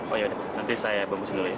oh yaudah nanti saya bungkus dulu ya